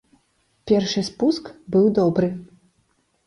Першы спуск быў добры.